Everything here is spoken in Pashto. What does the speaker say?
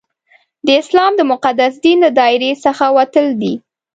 د اسلام د مقدس دین له دایرې څخه وتل دي.